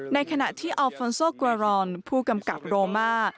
ในขณะที่อัลฟอนโซกรรอนผู้กำกับโรมา